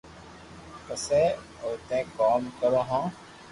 پسي اوتي ڪوم ڪرو ھون